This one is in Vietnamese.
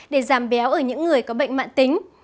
để giảm béo ở những người có bệnh mạng tính